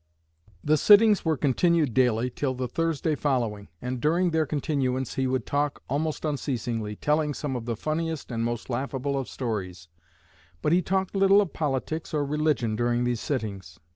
"The sittings were continued daily till the Thursday following; and during their continuance he would talk almost unceasingly, telling some of the funniest and most laughable of stories, but he talked little of politics or religion during these sittings.